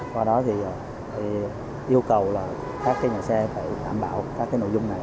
qua đó thì